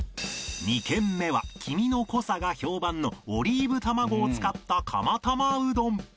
２軒目は黄身の濃さが評判のオリーブ卵を使った釜たまうどん